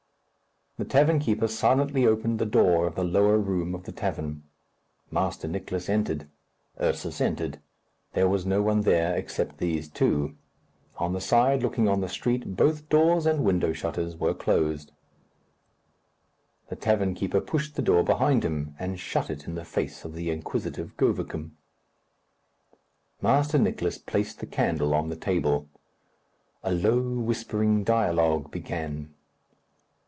The tavern keeper silently opened the door of the lower room of the tavern. Master Nicless entered. Ursus entered. There was no one there except these two. On the side looking on the street both doors and window shutters were closed. The tavern keeper pushed the door behind him, and shut it in the face of the inquisitive Govicum. Master Nicless placed the candle on the table. A low whispering dialogue began.